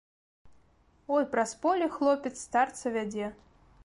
Ой, праз поле хлопец старца вядзе.